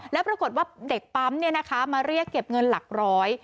แล้วปรากฏว่าเด็กปั๊มมาเรียกเก็บเงินหลักร้อย